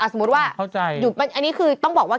สมมุติว่าอันนี้คือต้องบอกว่า